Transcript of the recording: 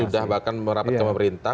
sudah bahkan merapat ke pemerintah